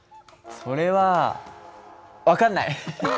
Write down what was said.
それは分かんない！